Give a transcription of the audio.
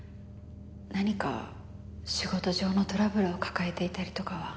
何か仕事上のトラブルを抱えていたりとかは？